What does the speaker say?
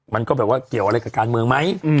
มันก็แบบว่าเกี่ยวอะไรกับการเมืองไหม